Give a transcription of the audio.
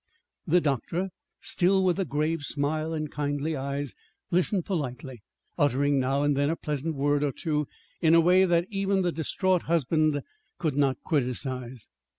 The doctor, still with the grave smile and kindly eyes, listened politely, uttering now and then a pleasant word or two, in a way that even the distraught husband could not criticize.